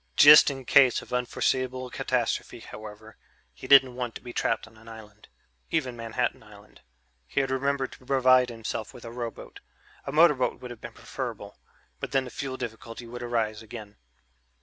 Just in case of unforeseeable catastrophe, however he didn't want to be trapped on an island, even Manhattan Island he had remembered to provide himself with a rowboat; a motorboat would have been preferable, but then the fuel difficulty would arise again....